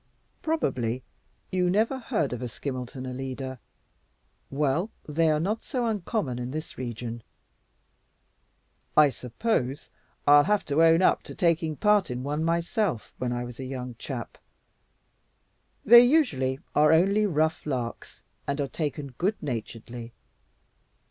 Probably you never heard of a skimelton, Alida. Well, they are not so uncommon in this region. I suppose I'll have to own up to taking part in one myself when I was a young chap. They usually are only rough larks and are taken good naturedly.